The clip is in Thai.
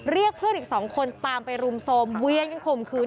เรียกเพื่อนอีกสองคนตามไปรุมโทรมเวียนกันข่มขืน